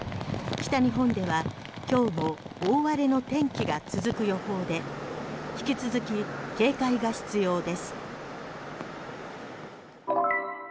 北日本では今日も大荒れの天気が続く予報で引き続き警戒が必要です。